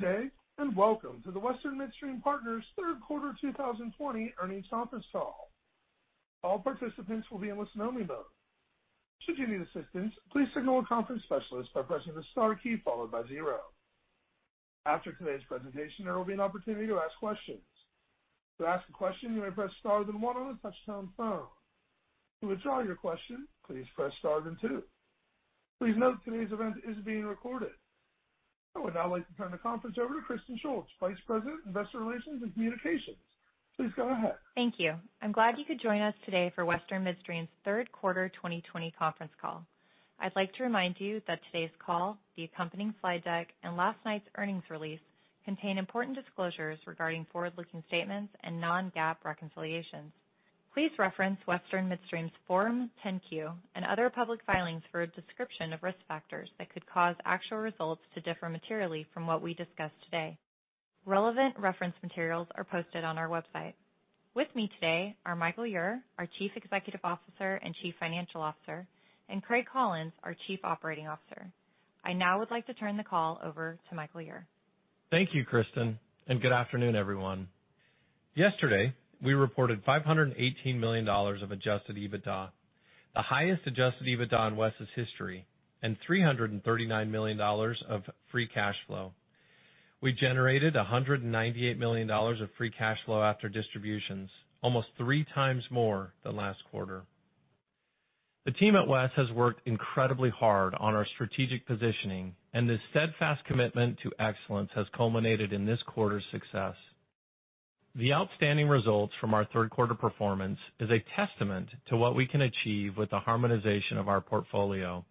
Good day, and welcome to the Western Midstream Partners third-quarter 2020 earnings conference call. All participants will be in listen-only mode. Should you need assistance, please signal a conference specialist by pressing the star key followed by zero. After today's presentation, there will be an opportunity to ask questions. To ask a question, you may press star then one on the touch-tone phone. To withdraw your question, please press star then two. Please note today's event is being recorded. I would now like to turn the conference over to Kristen Shults, Vice President of Investor Relations and Communications. Please go ahead. Thank you. I'm glad you could join us today for Western Midstream's third-quarter 2020 conference call. I'd like to remind you that today's call, the accompanying slide deck, and last night's earnings release contain important disclosures regarding forward-looking statements and non-GAAP reconciliations. Please reference Western Midstream's Form 10-Q and other public filings for a description of risk factors that could cause actual results to differ materially from what we discuss today. Relevant reference materials are posted on our website. With me today are Michael Ure, our Chief Executive Officer and Chief Financial Officer; and Craig Collins, our Chief Operating Officer. I now would like to turn the call over to Michael Ure. Thank you, Kristen. Good afternoon, everyone. Yesterday, we reported $518 million of Adjusted EBITDA—the highest Adjusted EBITDA in WES's history—and $339 million of free cash flow. We generated $198 million of free cash flow after distributions, almost three times more than last quarter. The team at WES has worked incredibly hard on our strategic positioning, and this steadfast commitment to excellence has culminated in this quarter's success. The outstanding results from our third-quarter performance is a testament to what we can achieve with the harmonization of our portfolio.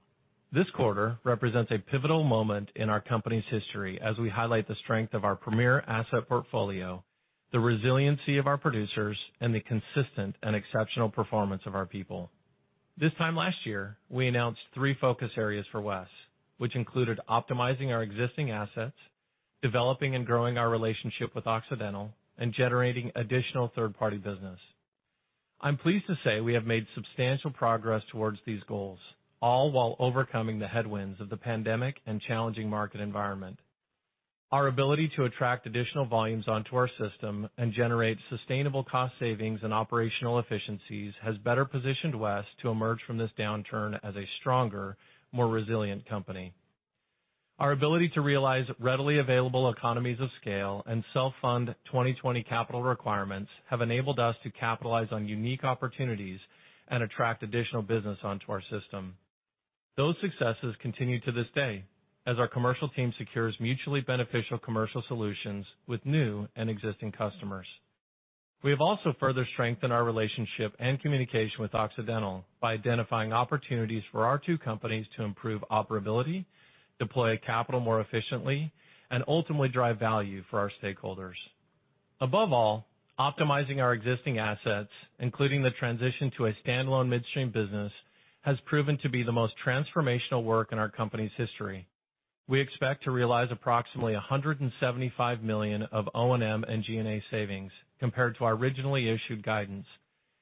This quarter represents a pivotal moment in our company's history as we highlight the strength of our premier asset portfolio, the resiliency of our producers, and the consistent and exceptional performance of our people. This time last year, we announced three focus areas for WES, which included optimizing our existing assets, developing and growing our relationship with Occidental, and generating additional third-party business. I'm pleased to say we have made substantial progress towards these goals, all while overcoming the headwinds of the pandemic and challenging market environment. Our ability to attract additional volumes onto our system and generate sustainable cost savings and operational efficiencies has better positioned WES to emerge from this downturn as a stronger, more resilient company. Our ability to realize readily available economies of scale and self-fund 2020 capital requirements have enabled us to capitalize on unique opportunities and attract additional business onto our system. Those successes continue to this day as our commercial team secures mutually beneficial commercial solutions with new and existing customers. We have also further strengthened our relationship and communication with Occidental by identifying opportunities for our two companies to improve operability, deploy capital more efficiently, and ultimately drive value for our stakeholders. Above all, optimizing our existing assets, including the transition to a standalone midstream business, has proven to be the most transformational work in our company's history. We expect to realize approximately $175 million of O&M and G&A savings compared to our originally issued guidance,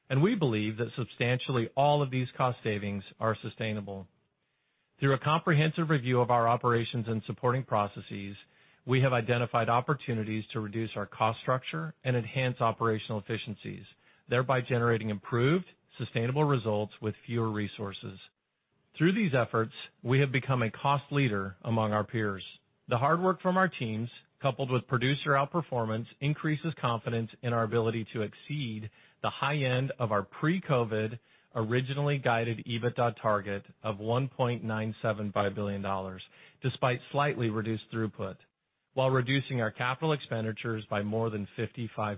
and we believe that substantially all of these cost savings are sustainable. Through a comprehensive review of our operations and supporting processes, we have identified opportunities to reduce our cost structure and enhance operational efficiencies, thereby generating improved, sustainable results with fewer resources. Through these efforts, we have become a cost leader among our peers. The hard work from our teams, coupled with producer outperformance, increases confidence in our ability to exceed the high end of our pre-COVID originally guided EBITDA target of $1.975 billion, despite slightly reduced throughput, while reducing our capital expenditures by more than 55%.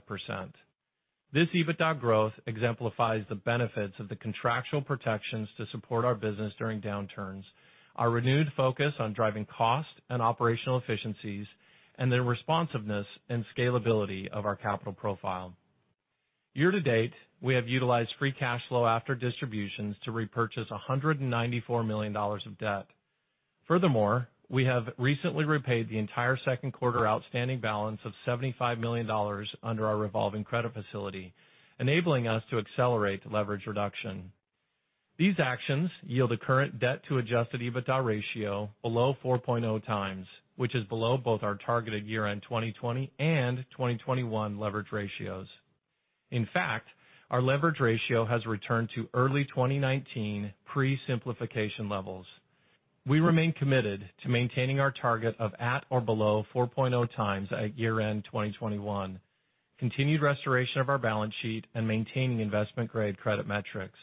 This EBITDA growth exemplifies the benefits of the contractual protections to support our business during downturns, our renewed focus on driving cost and operational efficiencies, and the responsiveness and scalability of our capital profile. Year to date, we have utilized free cash flow after distributions to repurchase $194 million of debt. Furthermore, we have recently repaid the entire second quarter outstanding balance of $75 million under our revolving credit facility, enabling us to accelerate leverage reduction. These actions yield a current debt to Adjusted EBITDA ratio below 4.0 times, which is below both our targeted year-end 2020 and 2021 leverage ratios. In fact, our leverage ratio has returned to early 2019 pre-simplification levels. We remain committed to maintaining our target of at or below 4.0 times at year-end 2021, continued restoration of our balance sheet, and maintaining investment-grade credit metrics.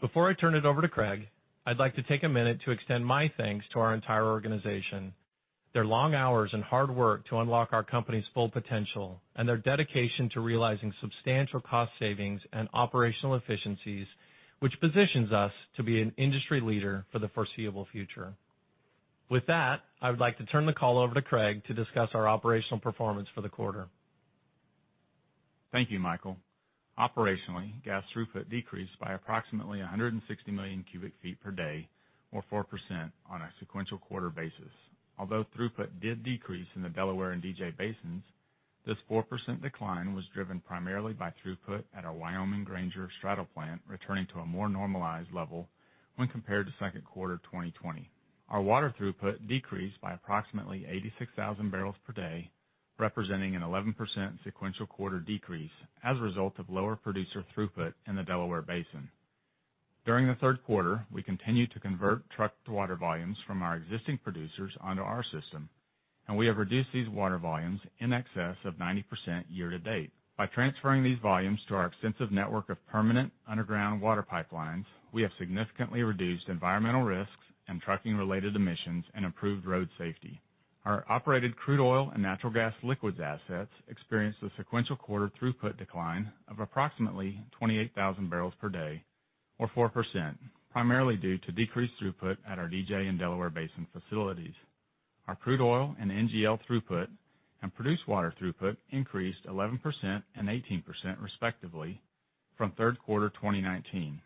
Before I turn it over to Craig, I'd like to take a minute to extend my thanks to our entire organization. Their long hours and hard work to unlock our company's full potential and their dedication to realizing substantial cost savings and operational efficiencies, which positions us to be an industry leader for the foreseeable future. With that, I would like to turn the call over to Craig to discuss our operational performance for the quarter. Thank you, Michael. Operationally, gas throughput decreased by approximately 160 million cubic feet per day or 4% on a sequential quarter basis. Although throughput did decrease in the Delaware and DJ Basins- This 4% decline was driven primarily by throughput at our Wyoming Granger straddle plant returning to a more normalized level when compared to the second quarter 2020. Our water throughput decreased by approximately 86,000 barrels per day, representing an 11% sequential-quarter decrease as a result of lower producer throughput in the Delaware Basin. During the third quarter, we continued to convert trucked water volumes from our existing producers onto our system, and we have reduced these water volumes in excess of 90% year-to-date. By transferring these volumes to our extensive network of permanent underground water pipelines, we have significantly reduced environmental risks and trucking-related emissions and improved road safety. Our operated crude oil and natural gas liquids assets experienced a sequential-quarter throughput decline of approximately 28,000 barrels per day, or 4%, primarily due to decreased throughput at our DJ and Delaware Basin facilities. Our crude oil and NGL throughput and produced water throughput increased 11% and 18%, respectively, from third quarter 2019.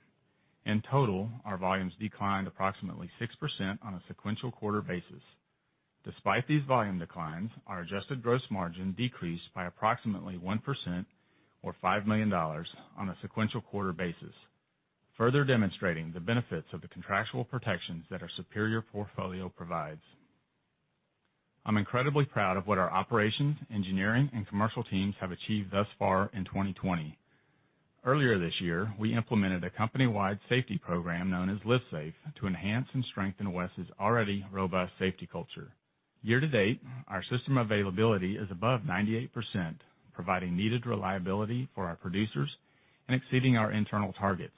In total, our volumes declined approximately 6% on a sequential quarter basis. Despite these volume declines, our adjusted gross margin decreased by approximately 1% or $5 million, on a sequential-quarter basis, further demonstrating the benefits of the contractual protections that our superior portfolio provides. I'm incredibly proud of what our operations, engineering, and commercial teams have achieved thus far in 2020. Earlier this year, we implemented a company-wide safety program known as Live Safe to enhance and strengthen WES's already robust safety culture. Year-to-date, our system availability is above 98%, providing needed reliability for our producers and exceeding our internal targets.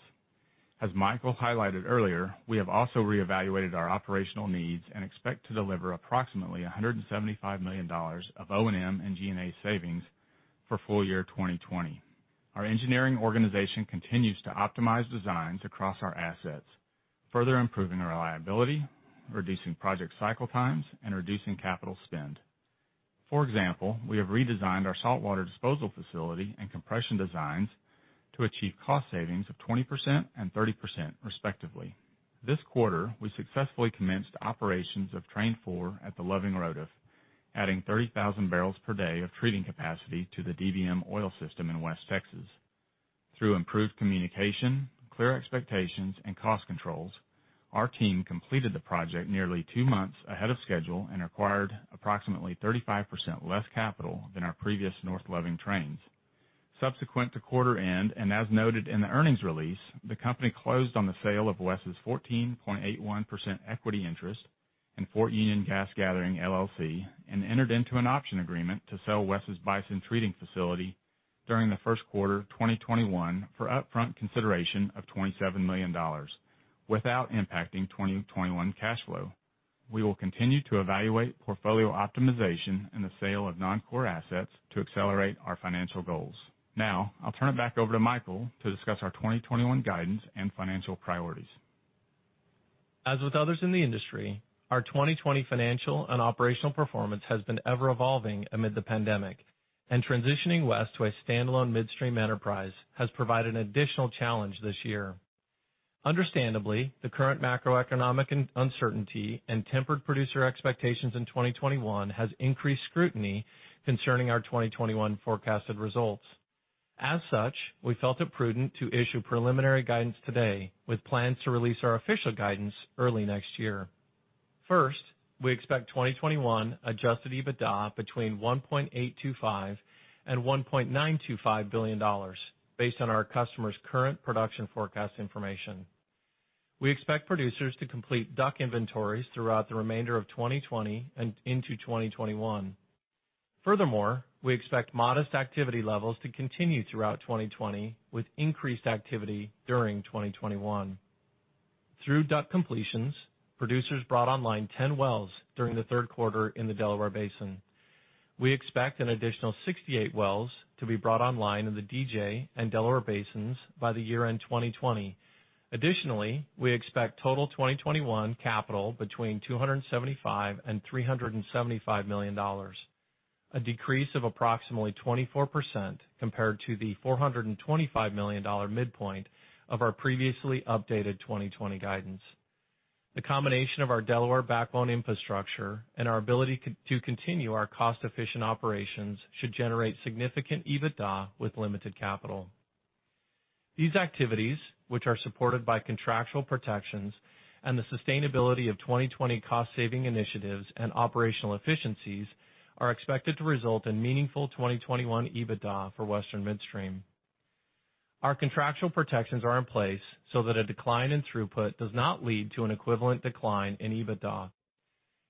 As Michael highlighted earlier, we have also reevaluated our operational needs and expect to deliver approximately $175 million of O&M and G&A savings for full year 2020. Our engineering organization continues to optimize designs across our assets, further improving reliability, reducing project cycle times, and reducing capital spend. For example, we have redesigned our saltwater disposal facility and compression designs to achieve cost savings of 20% and 30%, respectively. This quarter, we successfully commenced operations of Train 4 at the Loving ROTF, adding 30,000 barrels per day of treating capacity to the DBM oil system in West Texas. Through improved communication, clear expectations, and cost controls, our team completed the project nearly two months ahead of schedule and required approximately 35% less capital than our previous North Loving trains. Subsequent to quarter end, and as noted in the earnings release, the company closed on the sale of WES's 14.81% equity interest in Fort Union Gas Gathering, L.L.C., and entered into an option agreement to sell WES's Bison treating facility during the first quarter of 2021 for upfront consideration of $27 million, without impacting 2021 cash flow. We will continue to evaluate portfolio optimization and the sale of non-core assets to accelerate our financial goals. Now, I'll turn it back over to Michael to discuss our 2021 guidance and financial priorities. As with others in the industry, our 2020 financial and operational performance has been ever-evolving amid the pandemic, and transitioning WES to a standalone midstream enterprise has provided an additional challenge this year. Understandably, the current macroeconomic uncertainty and tempered producer expectations in 2021 has increased scrutiny concerning our 2021 forecasted results. As such, we felt it prudent to issue preliminary guidance today, with plans to release our official guidance early next year. First, we expect 2021 Adjusted EBITDA between $1.825 billion and $1.925 billion, based on our customers' current production forecast information. We expect producers to complete DUC inventories throughout the remainder of 2020 and into 2021. Furthermore, we expect modest activity levels to continue throughout 2020 with increased activity during 2021. Through DUC completions, producers brought online 10 wells during the third quarter in the Delaware Basin. We expect an additional 68 wells to be brought online in the DJ and Delaware Basins by the year end 2020. Additionally, we expect total 2021 capital between $275 and $375 million, a decrease of approximately 24% compared to the $425 million midpoint of our previously updated 2020 guidance. The combination of our Delaware backbone infrastructure and our ability to continue our cost-efficient operations should generate significant EBITDA with limited capital. These activities, which are supported by contractual protections and the sustainability of 2020 cost-saving initiatives and operational efficiencies, are expected to result in meaningful 2021 EBITDA for Western Midstream. Our contractual protections are in place so that a decline in throughput does not lead to an equivalent decline in EBITDA.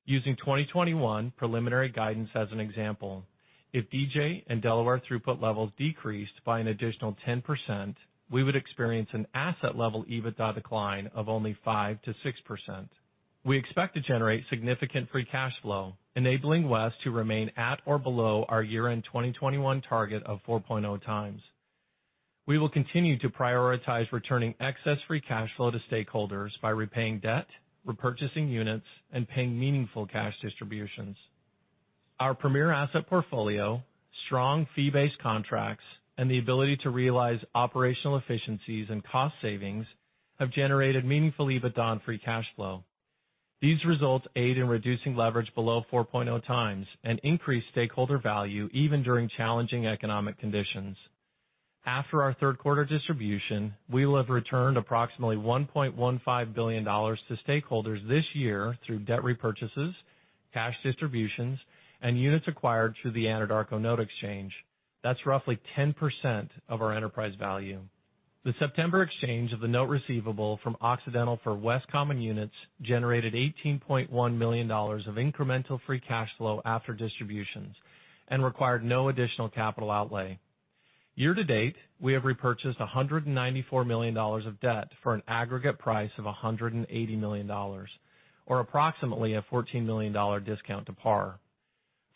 Using 2021 preliminary guidance as an example, if DJ and Delaware throughput levels decreased by an additional 10%, we would experience an asset-level EBITDA decline of only 5% to 6%. We expect to generate significant free cash flow, enabling West to remain at or below our year-end 2021 target of 4.0 times. We will continue to prioritize returning excess free cash flow to stakeholders by repaying debt, repurchasing units, and paying meaningful cash distributions. Our premier asset portfolio, strong fee-based contracts, and the ability to realize operational efficiencies and cost savings have generated meaningful EBITDA and free cash flow. These results aid in reducing leverage below 4.0x and increase stakeholder value even during challenging economic conditions. After our third quarter distribution, we will have returned approximately $1.15 billion to stakeholders this year through debt repurchases, cash distributions, and units acquired through the Anadarko note exchange. That's roughly 10% of our enterprise value. The September exchange of the note receivable from Occidental for West Common Units generated $18.1 million of incremental free cash flow after distributions and required no additional capital outlay. Year to date, we have repurchased $194 million of debt for an aggregate price of $180 million, or approximately a $14 million discount to par.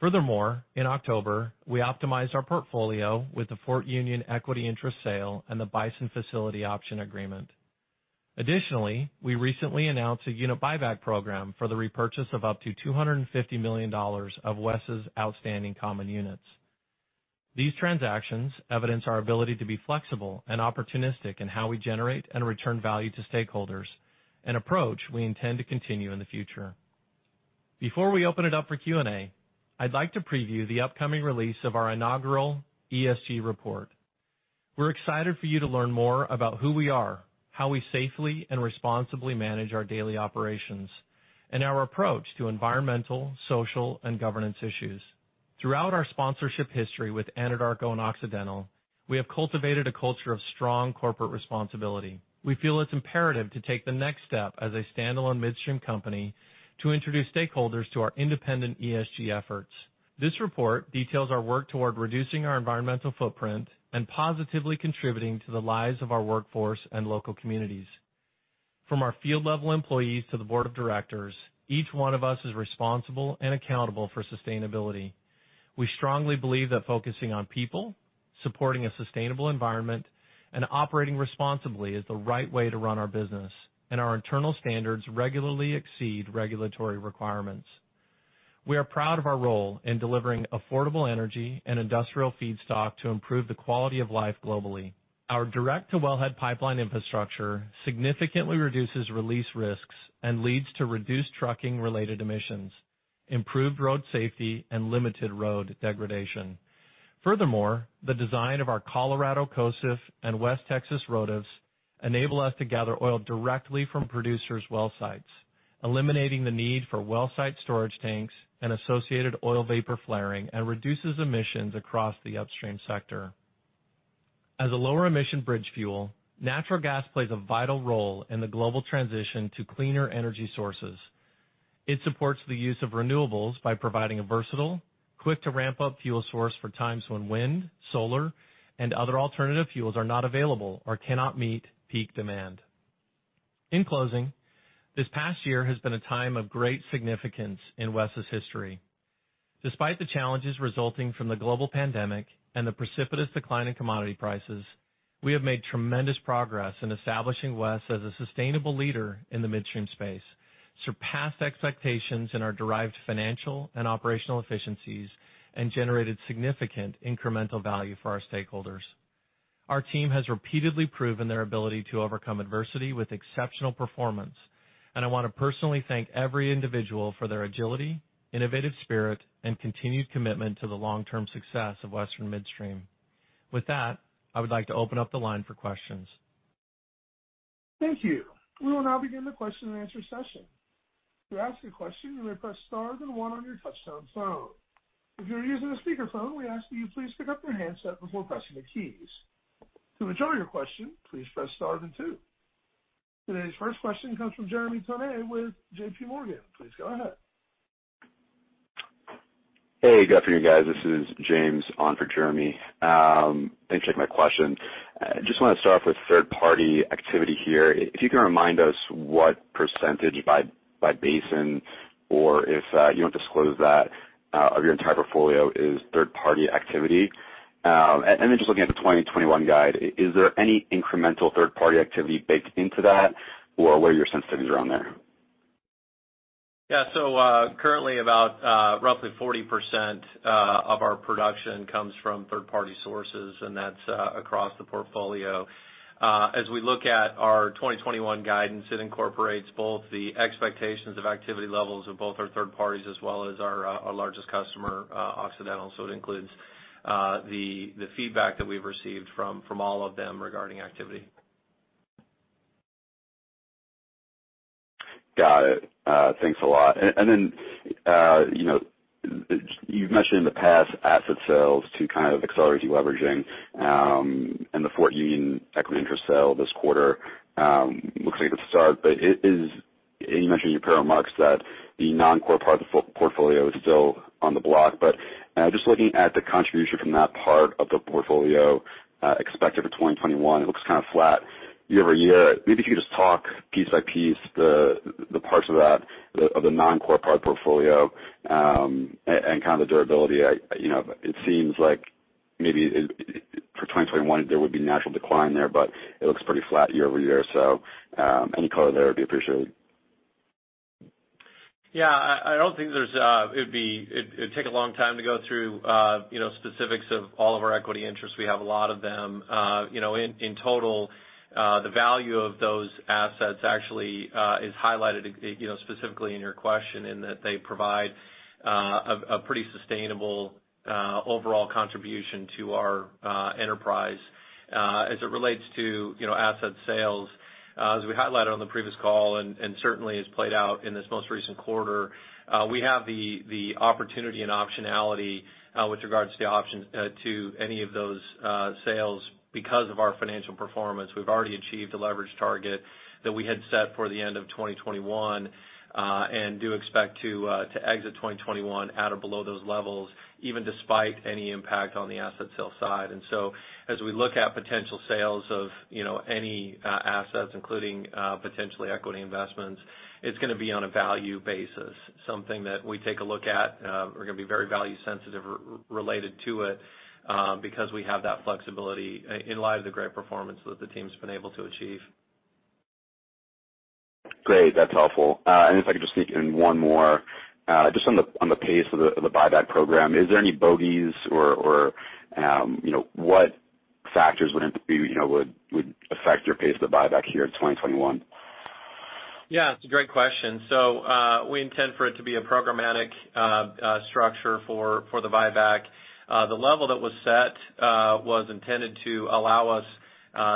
In October, we optimized our portfolio with the Fort Union equity interest sale and the Bison facility option agreement. We recently announced a unit buyback program for the repurchase of up to $250 million of WES's outstanding common units. These transactions evidence our ability to be flexible and opportunistic in how we generate and return value to stakeholders, an approach we intend to continue in the future. Before we open it up for Q&A, I'd like to preview the upcoming release of our inaugural ESG report. We're excited for you to learn more about who we are, how we safely and responsibly manage our daily operations, and our approach to environmental, social, and governance issues. Throughout our sponsorship history with Anadarko and Occidental, we have cultivated a culture of strong corporate responsibility. We feel it's imperative to take the next step as a standalone midstream company to introduce stakeholders to our independent ESG efforts. This report details our work toward reducing our environmental footprint and positively contributing to the lives of our workforce and local communities. From our field-level employees to the board of directors, each one of us is responsible and accountable for sustainability. We strongly believe that focusing on people, supporting a sustainable environment, and operating responsibly is the right way to run our business, and our internal standards regularly exceed regulatory requirements. We are proud of our role in delivering affordable energy and industrial feedstock to improve the quality of life globally. Our direct to wellhead pipeline infrastructure significantly reduces release risks and leads to reduced trucking-related emissions, improved road safety, and limited road degradation. Furthermore, the design of our Colorado COSF and West Texas ROTFs enable us to gather oil directly from producers' well sites, eliminating the need for well site storage tanks and associated oil vapor flaring and reduces emissions across the upstream sector. As a lower emission bridge fuel, natural gas plays a vital role in the global transition to cleaner energy sources. It supports the use of renewables by providing a versatile, quick-to-ramp-up fuel source for times when wind, solar, and other alternative fuels are not available or cannot meet peak demand. In closing, this past year has been a time of great significance in WES's history. Despite the challenges resulting from the global pandemic and the precipitous decline in commodity prices, we have made tremendous progress in establishing WES as a sustainable leader in the midstream space, surpassed expectations in our derived financial and operational efficiencies, and generated significant incremental value for our stakeholders. Our team has repeatedly proven their ability to overcome adversity with exceptional performance, and I want to personally thank every individual for their agility, innovative spirit, and continued commitment to the long-term success of Western Midstream. With that, I would like to open up the line for questions. Thank you. We will now begin the question and answer session. Today's first question comes from Jeremy Tonet with J.P. Morgan. Please go ahead. Hey, good afternoon, guys. This is James on for Jeremy. Thanks for taking my question. I just want to start off with third-party activity here. If you can remind us what percentage by basin, or if you don't disclose that, of your entire portfolio is third-party activity. Just looking at the 2021 guide, is there any incremental third-party activity baked into that? What are your sensitivities around there? Yeah. Currently about roughly 40% of our production comes from third-party sources, and that's across the portfolio. As we look at our 2021 guidance, it incorporates both the expectations of activity levels of both our third parties as well as our largest customer, Occidental. It includes the feedback that we've received from all of them regarding activity. Got it. Thanks a lot. You've mentioned in the past asset sales to kind of accelerate deleveraging, and the Fort Union equity interest sale this quarter looks like it's a start. You mentioned in your remarks that the non-core part of the portfolio is still on the block. Just looking at the contribution from that part of the portfolio expected for 2021, it looks kind of flat year-over-year. Maybe if you could just talk piece by piece the parts of that, of the non-core part of the portfolio, and kind of the durability. It seems like maybe for 2021, there would be natural decline there, but it looks pretty flat year-over-year, any color there would be appreciated. Yeah, it'd take a long time to go through specifics of all of our equity interests. We have a lot of them. In total, the value of those assets actually is highlighted specifically in your question, in that they provide a pretty sustainable overall contribution to our enterprise. As it relates to asset sales, as we highlighted on the previous call and certainly has played out in this most recent quarter, we have the opportunity and optionality with regards to the options to any of those sales because of our financial performance. We've already achieved a leverage target that we had set for the end of 2021, and do expect to exit 2021 at or below those levels, even despite any impact on the asset sale side. As we look at potential sales of any assets, including potentially equity investments, it's going to be on a value basis, something that we take a look at. We're going to be very value sensitive related to it, because we have that flexibility in light of the great performance that the team's been able to achieve. Great. That's helpful. If I could just sneak in one more. Just on the pace of the buyback program, is there any bogeys or what factors would affect your pace of the buyback here in 2021? Yeah, it's a great question. We intend for it to be a programmatic structure for the buyback. The level that was set was intended to allow us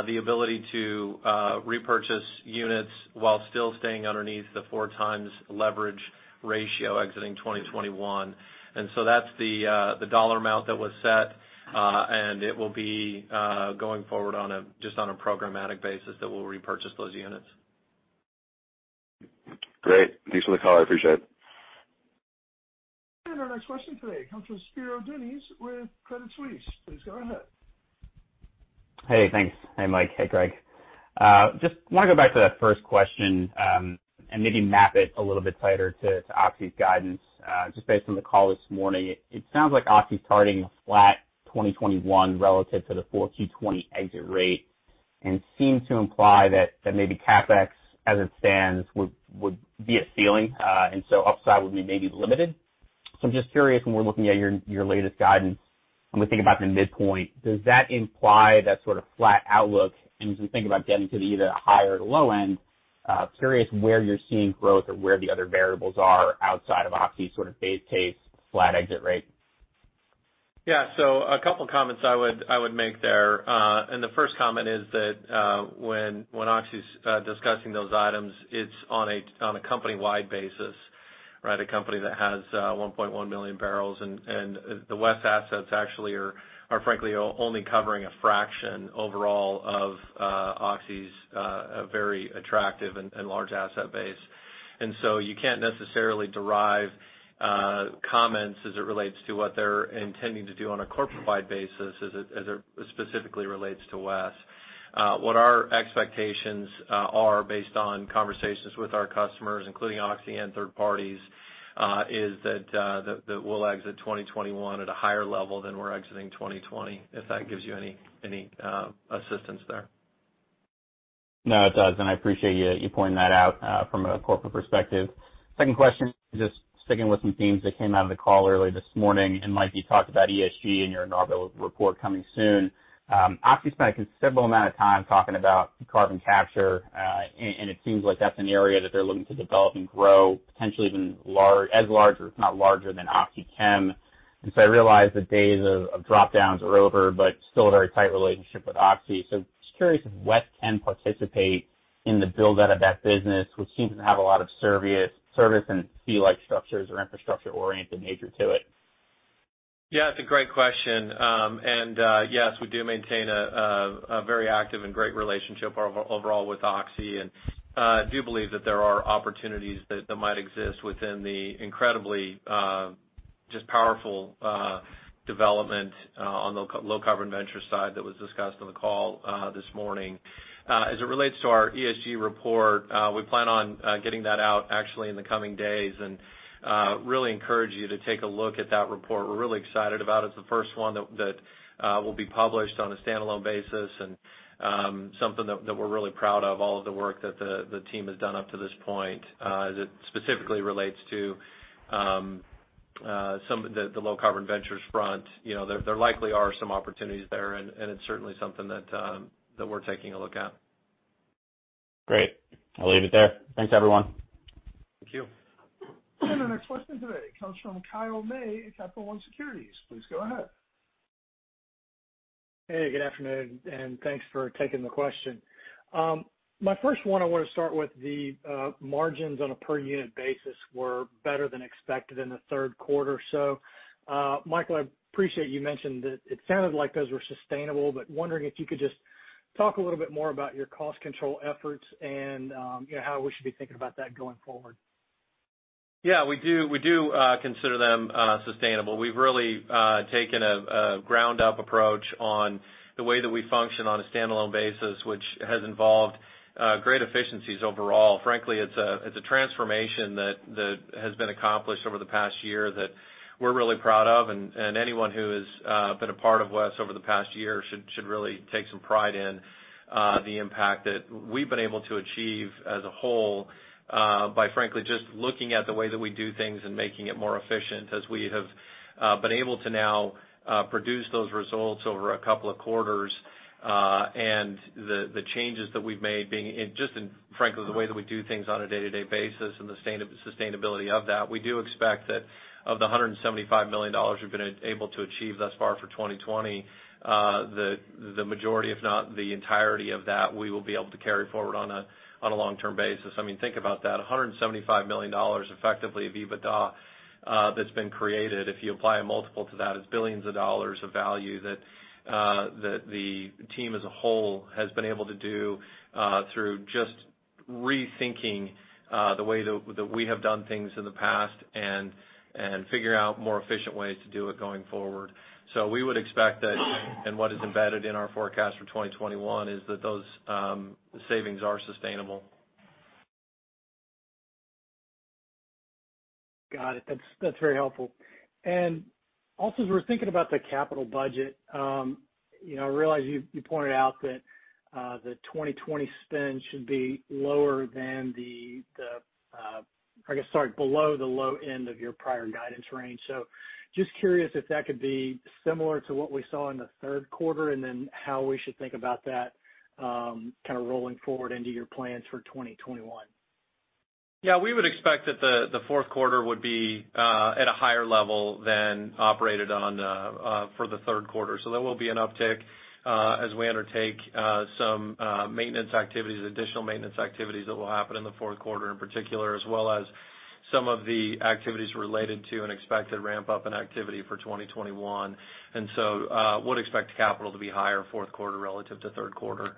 the ability to repurchase units while still staying underneath the 4x leverage ratio exiting 2021. That's the dollar amount that was set. It will be going forward just on a programmatic basis that we'll repurchase those units. Great. Thanks for the color. I appreciate it. Our next question today comes from Spiro Dounis with Credit Suisse. Please go ahead. Hey, thanks. Hey, Mike. Hey, Craig. I want to go back to that first question, and maybe map it a little bit tighter to Oxy's guidance. Based on the call this morning, it sounds like Oxy's targeting a flat 2021 relative to the full Q4 2020 exit rate, seemed to imply that maybe CapEx as it stands would be a ceiling, upside would be maybe limited. I'm curious when we're looking at your latest guidance, when we think about the midpoint, does that imply that sort of flat outlook? As we think about getting to either the high or the low end, curious where you're seeing growth or where the other variables are outside of Oxy's sort of base case flat exit rate. A couple comments I would make there. The first comment is that when Oxy is discussing those items, it's on a company-wide basis, right? A company that has 1.1 million barrels. The WES assets actually are frankly only covering a fraction overall of Oxy's very attractive and large asset base. You can't necessarily derive comments as it relates to what they're intending to do on a corporate-wide basis as it specifically relates to WES. What our expectations are based on conversations with our customers, including Oxy and third parties, is that we'll exit 2021 at a higher level than we're exiting 2020, if that gives you any assistance there. No, it does, and I appreciate you pointing that out from a corporate perspective. Second question, just sticking with some themes that came out of the call early this morning. Mike, you talked about ESG in your inaugural report coming soon. Oxy spent a considerable amount of time talking about carbon capture, and it seems like that's an area that they're looking to develop and grow, potentially even as large if not larger than OxyChem. I realize the days of drop-downs are over, but still a very tight relationship with Oxy. Just curious if WES can participate in the build-out of that business, which seems to have a lot of service and fee-like structures or infrastructure-oriented nature to it. Yeah, it's a great question. Yes, we do maintain a very active and great relationship overall with Oxy, and do believe that there are opportunities that might exist within the incredibly just powerful development on the low-carbon venture side that was discussed on the call this morning. As it relates to our ESG report, we plan on getting that out actually in the coming days, and really encourage you to take a look at that report. We're really excited about it. It's the first one that will be published on a standalone basis and something that we're really proud of, all of the work that the team has done up to this point. As it specifically relates to the low-carbon ventures front, there likely are some opportunities there, and it's certainly something that we're taking a look at. Great. I'll leave it there. Thanks, everyone. Thank you. Our next question today comes from Kyle May at Capital One Securities. Please go ahead. Hey, good afternoon, and thanks for taking the question. My first one I want to start with the margins on a per unit basis were better than expected in the third quarter. Michael, I appreciate you mentioned that it sounded like those were sustainable, but wondering if you could just talk a little bit more about your cost control efforts and how we should be thinking about that going forward. Yeah, we do consider them sustainable. We've really taken a ground-up approach on the way that we function on a standalone basis, which has involved great efficiencies overall. Frankly, it's a transformation that has been accomplished over the past year that we're really proud of. Anyone who has been a part of WES over the past year should really take some pride in the impact that we've been able to achieve as a whole, by frankly just looking at the way that we do things and making it more efficient as we have been able to now produce those results over a couple of quarters. The changes that we've made being just in, frankly, the way that we do things on a day-to-day basis and the sustainability of that. We do expect that of the $175 million we've been able to achieve thus far for 2020, the majority, if not the entirety of that, we will be able to carry forward on a long-term basis. I mean, think about that, $175 million effectively of EBITDA that's been created. If you apply a multiple to that, it's billions of dollars of value that the team as a whole has been able to do through just rethinking the way that we have done things in the past and figure out more efficient ways to do it going forward. We would expect that, and what is embedded in our forecast for 2021, is that those savings are sustainable. Got it. That's very helpful. Also, as we're thinking about the capital budget, I realize you pointed out that the 2020 spend should be lower than, I guess, sorry, below the low end of your prior guidance range. Just curious if that could be similar to what we saw in the third quarter, and then how we should think about that kind of rolling forward into your plans for 2021. We would expect that the fourth quarter would be at a higher level than operated on for the third quarter. There will be an uptick as we undertake some maintenance activities, additional maintenance activities that will happen in the fourth quarter in particular, as well as some of the activities related to an expected ramp-up in activity for 2021. Would expect capital to be higher fourth quarter relative to third quarter.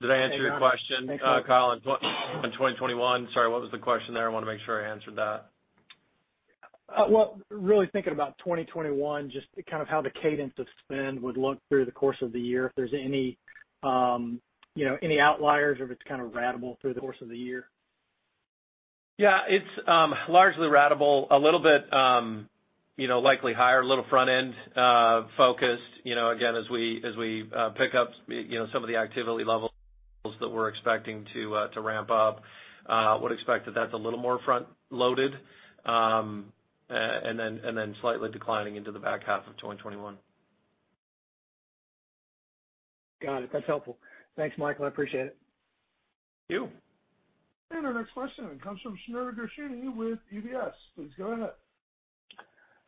Did I answer your question, Kyle? On 2021. Sorry, what was the question there? I want to make sure I answered that. Well, really thinking about 2021, just kind of how the cadence of spend would look through the course of the year, if there's any outliers or if it's kind of ratable through the course of the year. Yeah. It's largely ratable, a little bit likely higher, a little front-end focused. Again, as we pick up some of the activity levels that we're expecting to ramp up, I would expect that that's a little more front-loaded, and then slightly declining into the back half of 2021. Got it. That's helpful. Thanks, Michael. I appreciate it. Thank you. Our next question comes from Sunay Daswani with UBS. Please go ahead.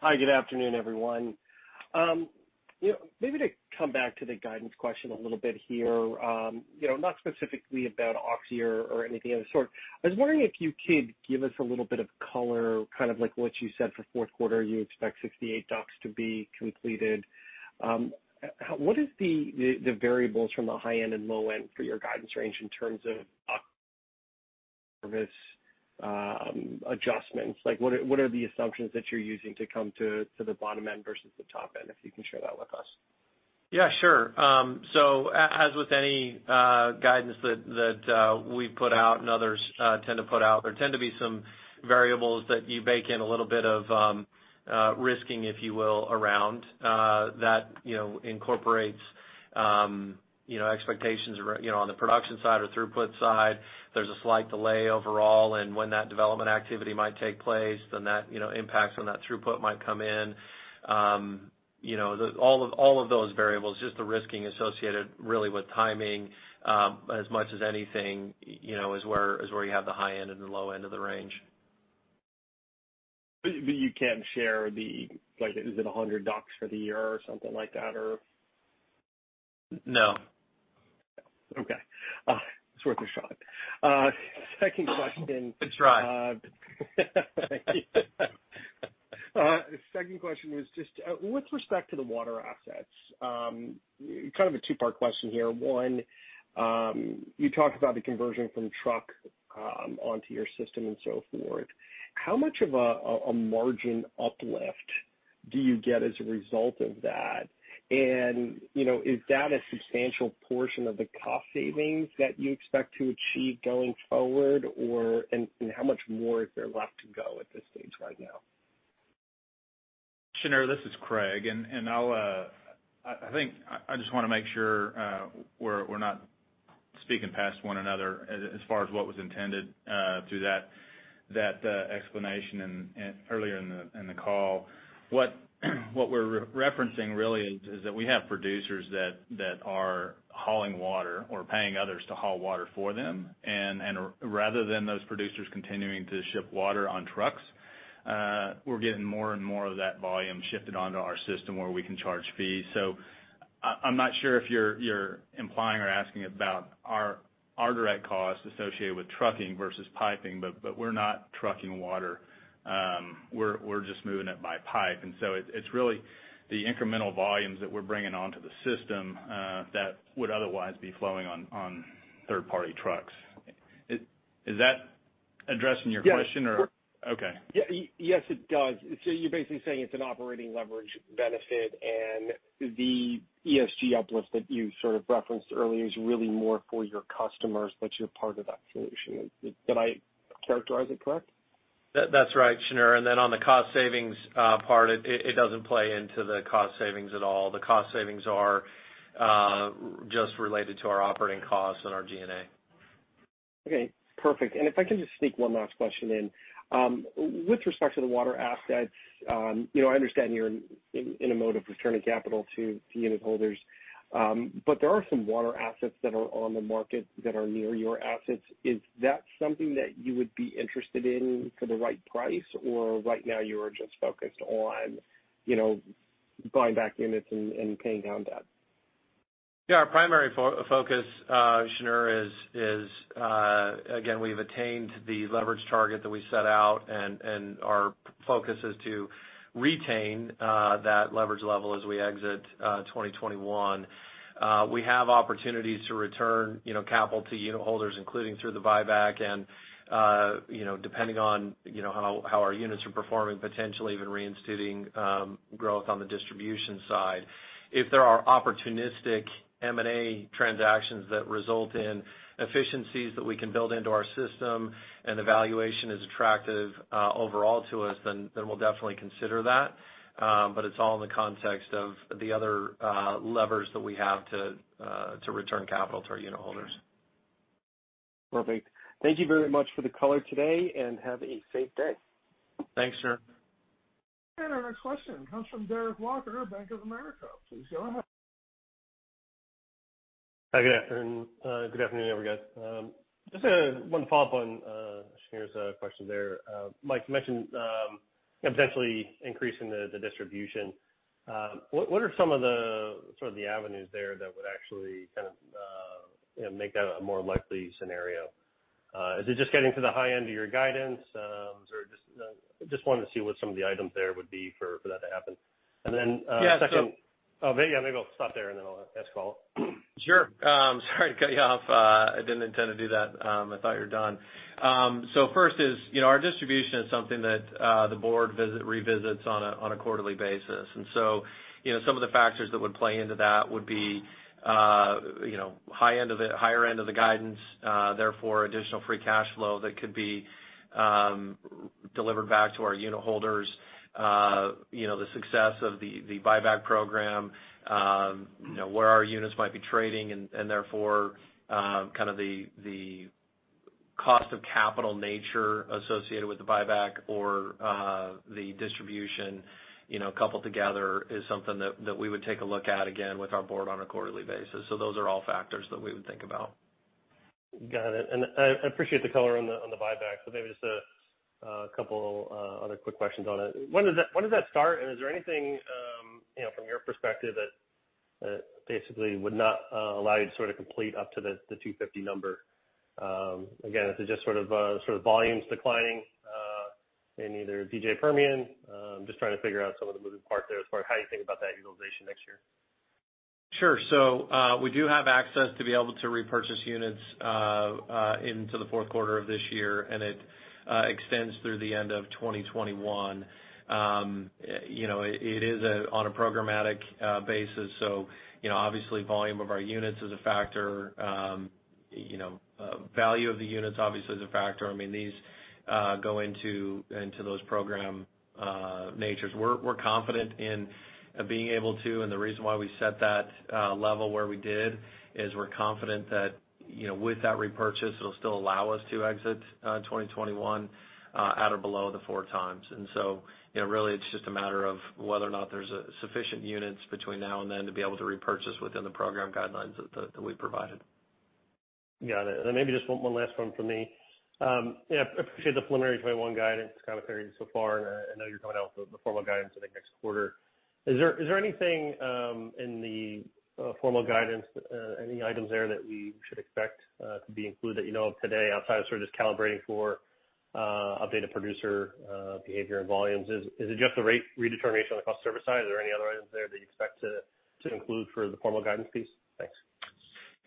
Hi, good afternoon, everyone. Maybe to come back to the guidance question a little bit here. Not specifically about Oxy or anything of the sort. I was wondering if you could give us a little bit of color, kind of like what you said for fourth quarter, you expect 68 DUCs to be completed. What is the variables from the high end and low end for your guidance range in terms of service adjustments? What are the assumptions that you're using to come to the bottom end versus the top end, if you can share that with us? Sure. As with any guidance that we put out and others tend to put out, there tend to be some variables that you bake in a little bit of risking, if you will, around that incorporates expectations on the production side or throughput side. There's a slight delay overall in when that development activity might take place, then that impacts when that throughput might come in. All of those variables, just the risking associated really with timing as much as anything, is where you have the high end and the low end of the range. You can share like is it 100 DUCs for the year or something like that, or? No. Okay. It's worth a shot. Second question. Good try. Thank you. The second question was just with respect to the water assets, kind of a two-part question here. One, you talked about the conversion from truck onto your system and so forth. How much of a margin uplift do you get as a result of that? Is that a substantial portion of the cost savings that you expect to achieve going forward? How much more is there left to go at this stage right now? Sunay, this is Craig, I think I just want to make sure we're not speaking past one another as far as what was intended through that explanation earlier in the call. What we're referencing really is that we have producers that are hauling water or paying others to haul water for them. Rather than those producers continuing to ship water on trucks, we're getting more and more of that volume shifted onto our system where we can charge fees. I'm not sure if you're implying or asking about our direct costs associated with trucking versus piping, but we're not trucking water. We're just moving it by pipe. It's really the incremental volumes that we're bringing onto the system that would otherwise be flowing on third-party trucks. Is that? Addressing your question or? Yes. Okay. Yes, it does. You're basically saying it's an operating leverage benefit and the ESG uplift that you sort of referenced earlier is really more for your customers, but you're part of that solution. Did I characterize it correct? That's right, Sunay. On the cost savings part, it doesn't play into the cost savings at all. The cost savings are just related to our operating costs and our G&A. Okay, perfect. If I can just sneak one last question in. With respect to the water assets, I understand you're in a mode of returning capital to unitholders. There are some water assets that are on the market that are near your assets. Is that something that you would be interested in for the right price or right now you are just focused on buying back units and paying down debt? Yeah. Our primary focus, Sunay, is, again, we've attained the leverage target that we set out, and our focus is to retain that leverage level as we exit 2021. We have opportunities to return capital to unitholders, including through the buyback and depending on how our units are performing, potentially even reinstituting growth on the distribution side. If there are opportunistic M&A transactions that result in efficiencies that we can build into our system and the valuation is attractive overall to us, then we'll definitely consider that. It's all in the context of the other levers that we have to return capital to our unitholders. Perfect. Thank you very much for the color today, and have a safe day. Thanks, Sunay. Our next question comes from Derek Walker, Bank of America. Please go ahead. Hi. Good afternoon. Good afternoon, everybody. Just one follow-up on Sunay's question there. Mike, you mentioned potentially increasing the distribution. What are some of the avenues there that would actually kind of make that a more likely scenario? Is it just getting to the high end of your guidance? Just wanted to see what some of the items there would be for that to happen. Yeah. Maybe I'll stop there and then I'll ask follow-up. Sure. Sorry to cut you off. I didn't intend to do that. I thought you were done. First is, our distribution is something that the board revisits on a quarterly basis. Some of the factors that would play into that would be higher end of the guidance, therefore additional free cash flow that could be delivered back to our unitholders. The success of the buyback program, where our units might be trading and therefore, kind of the cost of capital nature associated with the buyback or the distribution, coupled together is something that we would take a look at again with our board on a quarterly basis. Those are all factors that we would think about. Got it. I appreciate the color on the buyback, so maybe just a couple other quick questions on it. When does that start? Is there anything, from your perspective, that basically would not allow you to sort of complete up to the 250 number? Again, if it's just sort of volumes declining in either DJ Permian. Just trying to figure out some of the moving parts there as far as how you think about that utilization next year. Sure. We do have access to be able to repurchase units into the fourth quarter of this year, and it extends through the end of 2021. It is on a programmatic basis, so obviously volume of our units is a factor. Value of the units obviously is a factor. These go into those program natures. We're confident in being able to, and the reason why we set that level where we did is we're confident that with that repurchase, it'll still allow us to exit 2021 at or below the 4 times. Really it's just a matter of whether or not there's sufficient units between now and then to be able to repurchase within the program guidelines that we provided. Got it. Then maybe just one last one from me. Yeah, I appreciate the preliminary 2021 guidance kind of period so far, and I know you're coming out with the formal guidance, I think, next quarter. Is there anything in the formal guidance, any items there that we should expect to be included that you know of today outside of sort of just calibrating for updated producer behavior and volumes? Is it just the redetermination on the cost of service side? Are there any other items there that you expect to include for the formal guidance piece? Thanks.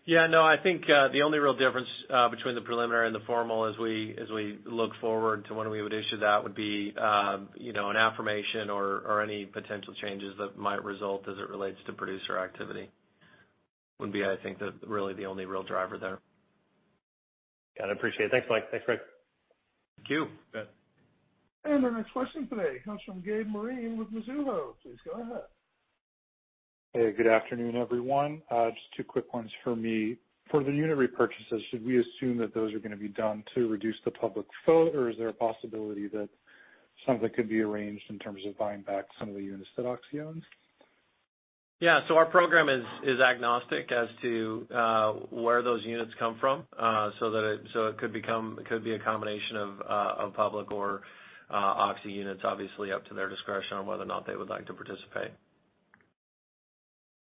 Yeah, no, I think, the only real difference between the preliminary and the formal as we look forward to when we would issue that would be an affirmation or any potential changes that might result as it relates to producer activity. Would be, I think, the only real driver there. Got it. Appreciate it. Thanks, Mike. Thanks, Craig. Thank you. Our next question today comes from Gabe Moreen with Mizuho. Please go ahead. Hey, good afternoon, everyone. Just two quick ones for me. For the unit repurchases, should we assume that those are going to be done to reduce the public flow, or is there a possibility that something could be arranged in terms of buying back some of the units that Oxy owns? Yeah. Our program is agnostic as to where those units come from. It could be a combination of public or Oxy units, obviously up to their discretion on whether or not they would like to participate.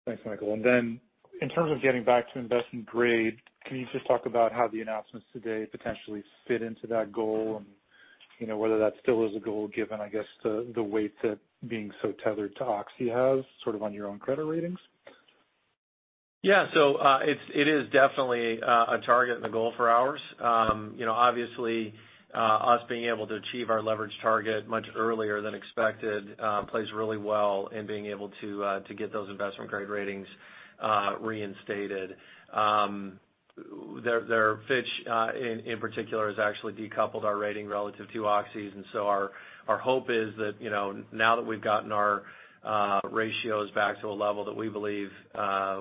Thanks, Michael. In terms of getting back to investment-grade, can you just talk about how the announcements today potentially fit into that goal and whether that still is a goal given, I guess, the weight that being so tethered to Oxy has sort of on your own credit ratings? Yeah. It is definitely a target and a goal for ours. Obviously, us being able to achieve our leverage target much earlier than expected plays really well in being able to get those investment-grade ratings reinstated. Fitch, in particular, has actually decoupled our rating relative to Oxy's. Our hope is that now that we've gotten our ratios back to a level that we believe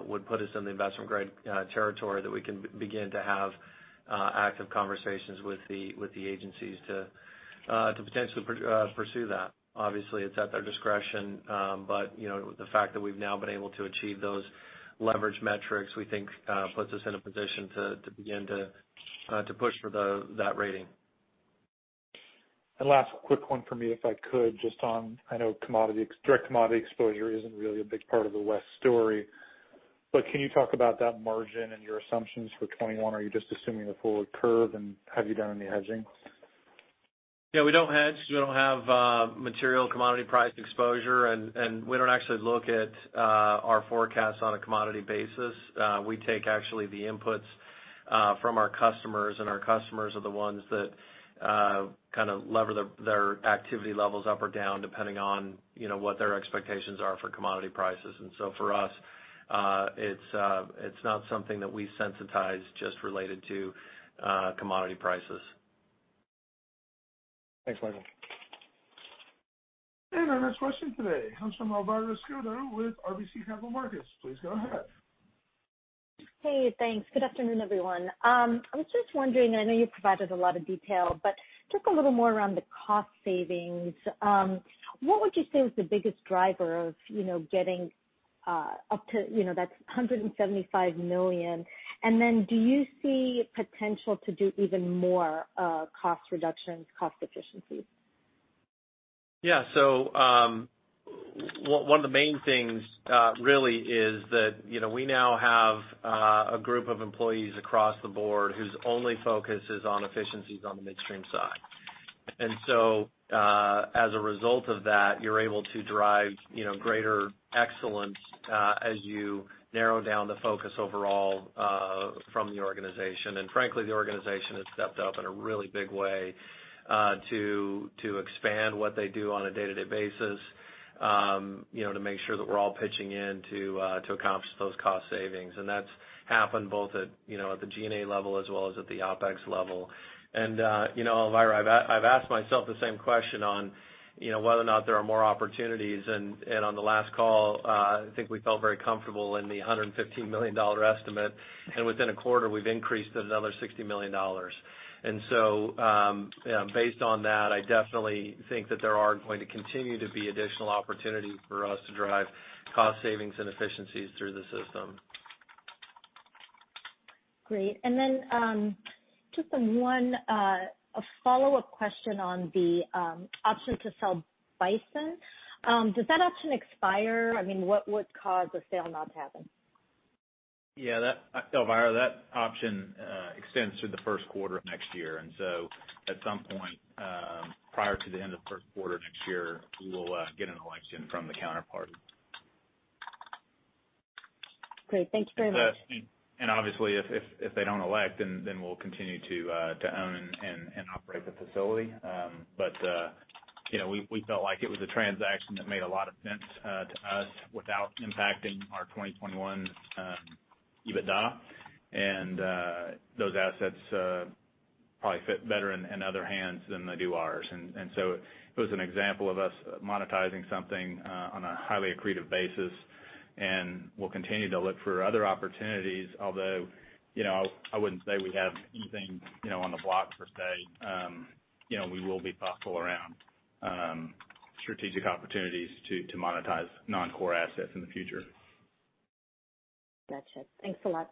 would put us in the investment-grade territory, that we can begin to have active conversations with the agencies to potentially pursue that. Obviously, it's at their discretion. The fact that we've now been able to achieve those leverage metrics, we think puts us in a position to begin to push for that rating. Last quick one for me, if I could, just on, I know direct commodity exposure isn't really a big part of the WES story, but can you talk about that margin and your assumptions for 2021? Are you just assuming the forward curve, and have you done any hedging? Yeah, we don't hedge. We don't have material commodity price exposure, and we don't actually look at our forecasts on a commodity basis. We take actually the inputs from our customers, and our customers are the ones that kind of lever their activity levels up or down, depending on what their expectations are for commodity prices. For us, it's not something that we sensitize just related to commodity prices. Thanks, Michael. Our next question today comes from Elvira Scotto with RBC Capital Markets. Please go ahead. Hey, thanks. Good afternoon, everyone. I was just wondering, I know you provided a lot of detail. Talk a little more around the cost savings. What would you say was the biggest driver of getting up to that $175 million? Do you see potential to do even more cost reductions, cost efficiencies? One of the main things really is that we now have a group of employees across the board whose only focus is on efficiencies on the midstream side. As a result of that, you're able to drive greater excellence, as you narrow down the focus overall from the organization. Frankly, the organization has stepped up in a really big way to expand what they do on a day-to-day basis, to make sure that we're all pitching in to accomplish those cost savings. That's happened both at the G&A level as well as at the OpEx level. Elvira, I've asked myself the same question on whether or not there are more opportunities. On the last call, I think we felt very comfortable in the $115 million estimate. Within a quarter, we've increased it another $60 million. Based on that, I definitely think that there are going to continue to be additional opportunities for us to drive cost savings and efficiencies through the system. Great. Just one follow-up question on the option to sell Bison. Does that option expire? What would cause a sale not to happen? Yeah. Elvira, that option extends through the first quarter of next year. At some point, prior to the end of the first quarter next year, we will get an election from the counterpart. Great. Thank you very much. Obviously, if they don't elect, then we'll continue to own and operate the facility. We felt like it was a transaction that made a lot of sense to us without impacting our 2021 EBITDA. Those assets probably fit better in other hands than they do ours. It was an example of us monetizing something on a highly accretive basis, and we'll continue to look for other opportunities. Although, I wouldn't say we have anything on the block per se. We will be thoughtful around strategic opportunities to monetize non-core assets in the future. Got you. Thanks a lot.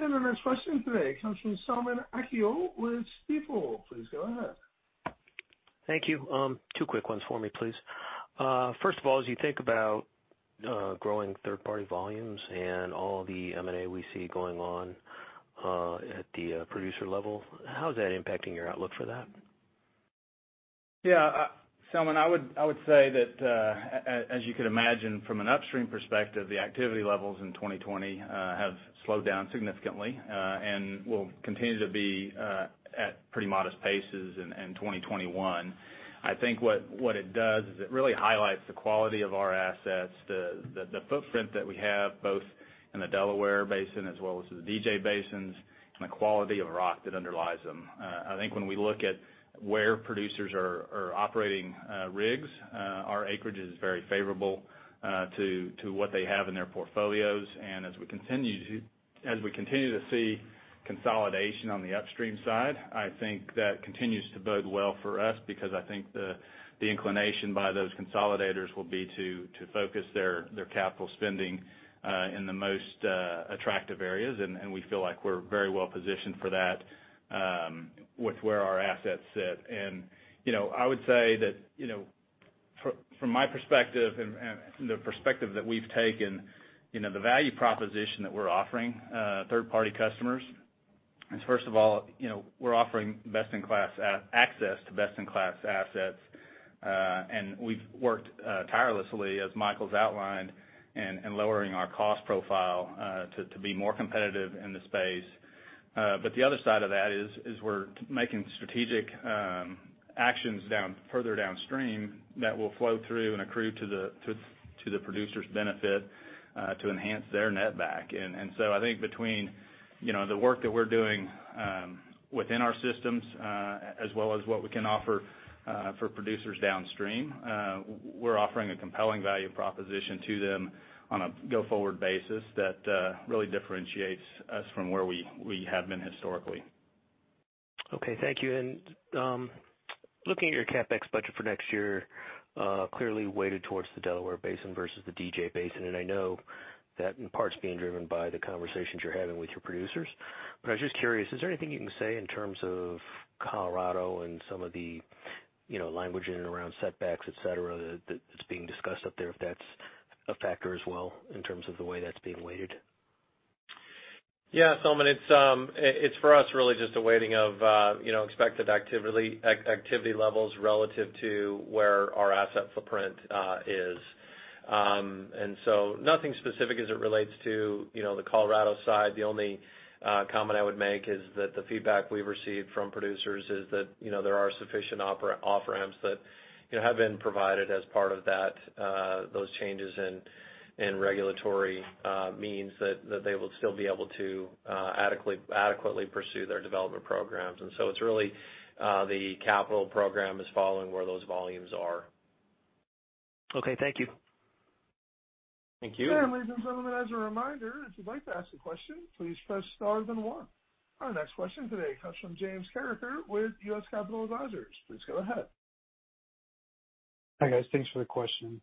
Our next question today comes from Selman Akyol with Stifel. Please go ahead. Thank you. Two quick ones for me, please. First of all, as you think about growing third-party volumes and all the M&A we see going on at the producer level, how is that impacting your outlook for that? Selman, I would say that, as you could imagine from an upstream perspective, the activity levels in 2020 have slowed down significantly, and will continue to be at pretty modest paces in 2021. I think what it does is it really highlights the quality of our assets, the footprint that we have both in the Delaware Basin as well as the DJ Basins, and the quality of rock that underlies them. I think when we look at where producers are operating rigs, our acreage is very favorable to what they have in their portfolios. As we continue to see consolidation on the upstream side, I think that continues to bode well for us because I think the inclination by those consolidators will be to focus their capital spending in the most attractive areas, and we feel like we're very well-positioned for that, with where our assets sit. I would say that from my perspective and the perspective that we've taken, the value proposition that we're offering third-party customers First of all, we're offering best-in-class access to best-in-class assets. We've worked tirelessly, as Michael's outlined, in lowering our cost profile to be more competitive in the space. The other side of that is we're making strategic actions further downstream that will flow through and accrue to the producer's benefit to enhance their netback. I think between the work that we're doing within our systems, as well as what we can offer for producers downstream, we're offering a compelling value proposition to them on a go-forward basis that really differentiates us from where we have been historically. Okay. Thank you. Looking at your CapEx budget for next year, clearly weighted towards the Delaware Basin versus the DJ Basin. I know that in part is being driven by the conversations you're having with your producers. I was just curious, is there anything you can say in terms of Colorado and some of the language in and around setbacks, et cetera, that's being discussed up there, if that's a factor as well in terms of the way that's being weighted? Yeah, Selman, it's for us really just a waiting of expected activity levels relative to where our asset footprint is. Nothing specific as it relates to the Colorado side. The only comment I would make is that the feedback we've received from producers is that there are sufficient off-ramps that have been provided as part of those changes in regulatory means that they will still be able to adequately pursue their development programs. It's really the capital program is following where those volumes are. Okay, thank you. Thank you. Ladies and gentlemen, as a reminder, if you'd like to ask a question, please press star then one. Our next question today comes from James Carreker with U.S. Capital Advisors. Please go ahead. Hi, guys. Thanks for the question.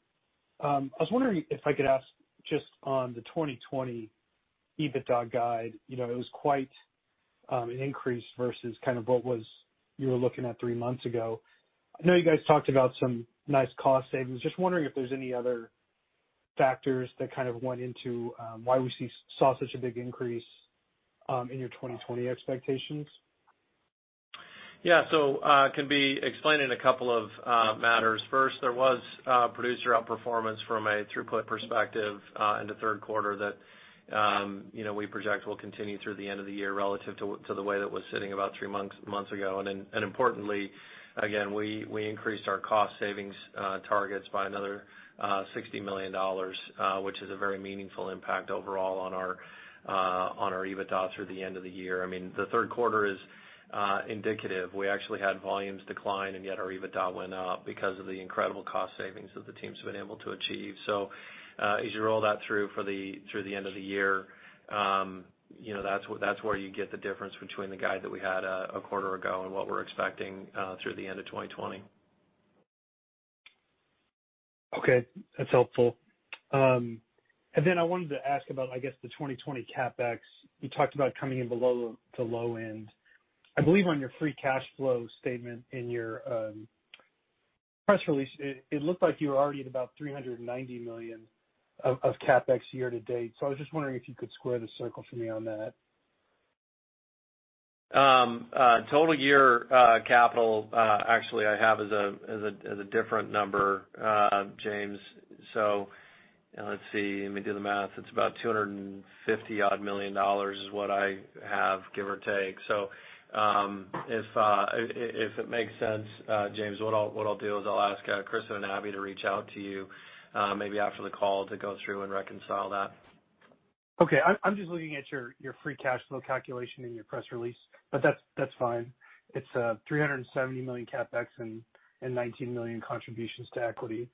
I was wondering if I could ask just on the 2020 EBITDA guide. It was quite an increase versus what you were looking at three months ago. I know you guys talked about some nice cost savings. Just wondering if there's any other factors that went into why we saw such a big increase in your 2020 expectations. Yeah. Can be explained in a couple of matters. First, there was producer outperformance from a throughput perspective in the third quarter that we project will continue through the end of the year relative to the way that it was sitting about three months ago. Importantly, again, we increased our cost savings targets by another $60 million, which is a very meaningful impact overall on our EBITDA through the end of the year. The third quarter is indicative. We actually had volumes decline, and yet our EBITDA went up because of the incredible cost savings that the team's been able to achieve. As you roll that through the end of the year, that's where you get the difference between the guide that we had a quarter ago and what we're expecting through the end of 2020. Okay. That's helpful. I wanted to ask about, I guess, the 2020 CapEx. You talked about coming in below the low end. I believe on your free cash flow statement in your press release, it looked like you were already at about $390 million of CapEx year to date. I was just wondering if you could square the circle for me on that. Total year capital, actually, I have as a different number, James. Let's see. Let me do the math. It's about $250 odd million is what I have, give or take. If it makes sense, James, what I'll do is I'll ask Kristen and Abby to reach out to you, maybe after the call, to go through and reconcile that. Okay. I'm just looking at your Free Cash Flow calculation in your press release, but that's fine. It's $370 million CapEx and $19 million contributions to equity.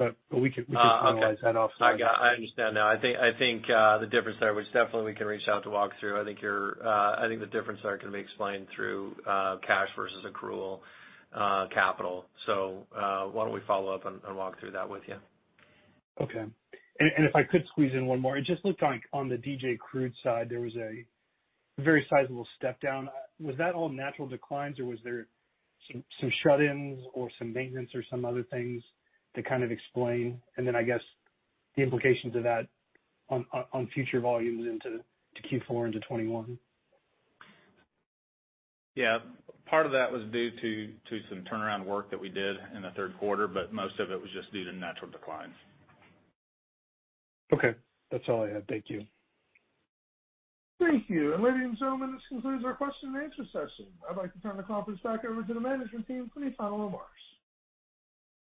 Okay finalize that offsite. I understand now. I think the difference there, which definitely we can reach out to walk through. I think the difference there can be explained through cash versus accrual capital. Why don't we follow up and walk through that with you? Okay. If I could squeeze in one more. It just looked like on the DJ crude side, there was a very sizable step down. Was that all natural declines, or was there some shut-ins or some maintenance or some other things to explain? I guess, the implications of that on future volumes into Q4 into 2021. Yeah. Part of that was due to some turnaround work that we did in the third quarter, but most of it was just due to natural declines. Okay. That's all I had. Thank you. Thank you. Ladies and gentlemen, this concludes our question and answer session. I'd like to turn the conference back over to the management team for any final remarks.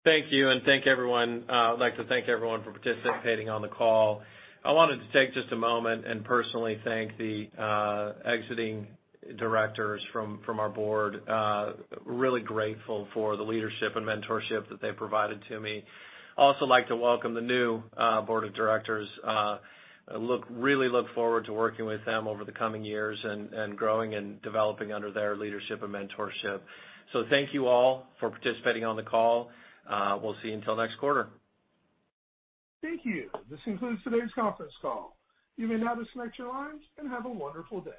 Thank you. Thank everyone. I would like to thank everyone for participating on the call. I wanted to take just a moment and personally thank the exiting directors from our board. Really grateful for the leadership and mentorship that they provided to me. Also like to welcome the new board of directors. Really look forward to working with them over the coming years and growing and developing under their leadership and mentorship. Thank you all for participating on the call. We'll see you until next quarter. Thank you. This concludes today's conference call. You may now disconnect your lines, and have a wonderful day.